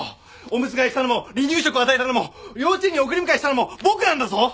おむつ替えしたのも離乳食を与えたのも幼稚園に送り迎えしたのも僕なんだぞ！